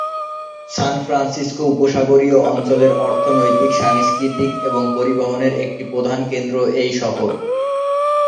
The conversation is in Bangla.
সান ফ্রান্সিস্কো উপসাগরীয় অঞ্চলের অর্থনৈতিক, সাংস্কৃতিক এবং পরিবহনের একটি প্রধান কেন্দ্র এই শহর।